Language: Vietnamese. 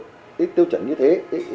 cơ cấu bữa ăn như thế